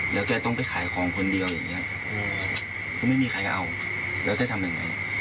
แล้วแกต้องไปขายของคนเดียวอย่างนี้ก็ไม่มีใครเอาแล้วจะทำยังไง